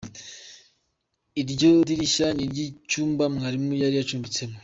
Iryo dirishya ni iry’icyumba mwarimu yari acumbitsemo.